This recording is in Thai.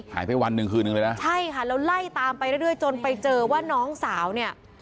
ไปวันหนึ่งคืนนึงเลยนะใช่ค่ะแล้วไล่ตามไปเรื่อยจนไปเจอว่าน้องสาวเนี่ย